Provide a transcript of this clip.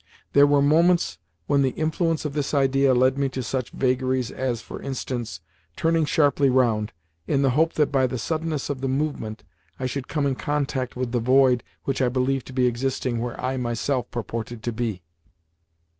There were moments when the influence of this idea led me to such vagaries as, for instance, turning sharply round, in the hope that by the suddenness of the movement I should come in contact with the void which I believed to be existing where I myself purported to be!